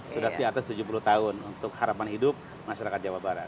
sudah di atas tujuh puluh tahun untuk harapan hidup masyarakat jawa barat